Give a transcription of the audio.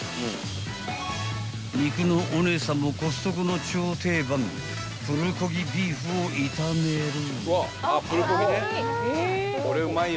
［肉のお姉さんもコストコの超定番プルコギビーフを炒める］